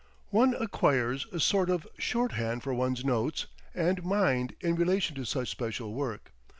One acquires a sort of shorthand for one's notes and mind in relation to such special work.